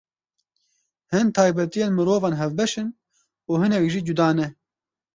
Hin taybetiyên mirovan hevbeş in û hinek jî cuda ne.